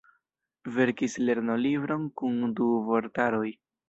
Verkis lernolibron kun du vortaroj.